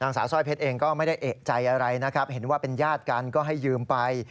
สาวสร้อยเพชรเองก็ไม่ได้เอกใจอะไรนะครับเห็นว่าเป็นญาติกันก็ให้ยืมไป